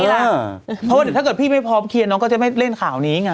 เพราะว่าถ้าเกิดพี่ไม่พร้อมเคลียร์น้องก็จะไม่เล่นข่าวนี้ไง